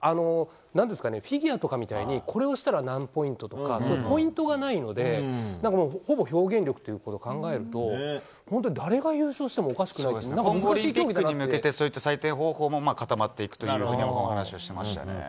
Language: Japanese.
フィギュアとかみたいにこれをしたら何ポイントとかがないのでほぼ表現力ということを考えると誰が優勝してもパリオリンピックに向けて採点方法も固まっていくとお話しされてましたね。